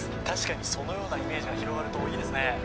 確かにそのようなイメージが広がるといいですね